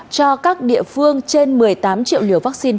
cho các địa phương trên một mươi tám triệu liều vaccine